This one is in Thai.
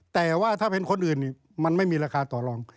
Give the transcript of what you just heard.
แต่ว่าถ้าเป็นคนอื่นมันไม่มีราคาต่อรอง